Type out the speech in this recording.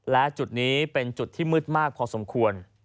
และจุดนี้เป็นจุดที่มืดมากพอสมควร